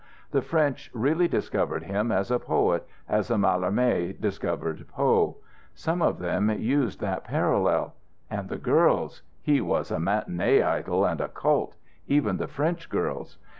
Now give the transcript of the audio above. The French really discovered him as a poet, just as Mallarmé discovered Poe; some of them used that parallel. And the girls he was a matinée idol and a cult even the French girls.